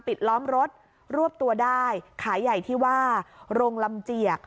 ล้อมรถรวบตัวได้ขายใหญ่ที่ว่าโรงลำเจียก